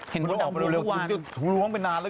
เห็นพวกเขาลองไปทุกวัน